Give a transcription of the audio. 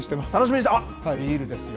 ビールですよ。